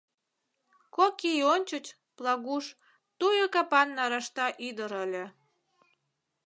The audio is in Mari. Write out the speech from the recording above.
Кок ий ончыч Плагуш туйо капан нарашта ӱдыр ыле.